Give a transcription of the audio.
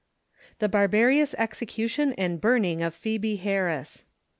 The Barbarious Execution and Burning of Phœbe Harris.